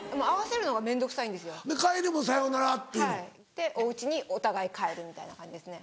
でおうちにお互い帰るみたいな感じですね。